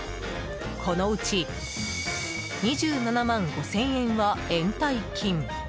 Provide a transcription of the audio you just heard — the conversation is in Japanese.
このうち２７万５０００円は延滞金。